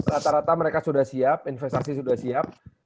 rata rata mereka sudah siap investasi sudah siap